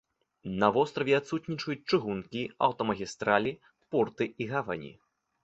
На востраве адсутнічаюць чыгункі, аўтамагістралі, порты і гавані.